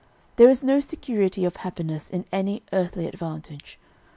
"There is no security of happiness in any earthly advantage.